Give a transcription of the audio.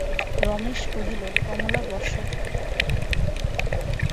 রমেশ কহিল, কমলা, বোসো।